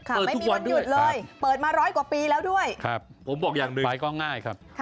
ไม่มีวันหยุดเลยเปิดมาร้อยกว่าปีแล้วด้วยครับผมบอกอย่างหนึ่งไปก็ง่ายครับ